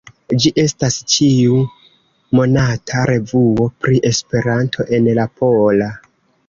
Ĝi estas ĉiu-monata revuo pri Esperanto en la pola.